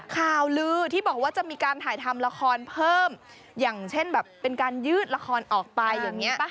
ข่าวลือที่บอกว่าจะมีการถ่ายทำละครเพิ่มอย่างเช่นแบบเป็นการยืดละครออกไปอย่างนี้ป่ะ